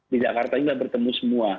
di jakarta juga bertemu semua